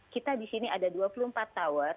kita di sini ada dua puluh empat tower